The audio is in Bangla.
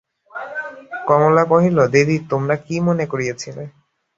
কমলা কহিল, দিদি, তোমরা কী মনে করিয়াছিলে?